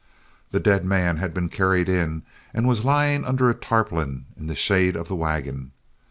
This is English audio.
The dead man had been carried in and was lying under a tarpaulin in the shade of the wagon.